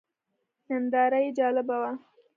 ننداره یې جالبه وه.